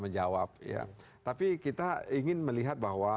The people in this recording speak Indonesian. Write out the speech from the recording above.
menjawab ya tapi kita ingin melihat bahwa